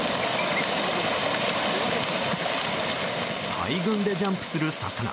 大群でジャンプする魚。